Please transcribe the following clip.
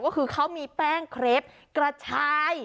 ก็คือเขามีแป้งเครปกระชาย